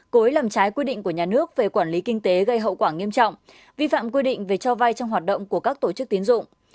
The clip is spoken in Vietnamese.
cối làm trái quy định của nhà nước về quản lý kinh tế gây hậu quả nghiêm trọng vi phạm quy định về cho vay trong hoạt động của các tổ chức tiến dụng